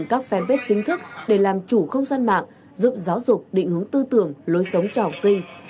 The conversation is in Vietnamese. các fanpage chính thức để làm chủ không gian mạng giúp giáo dục định hướng tư tưởng lối sống cho học sinh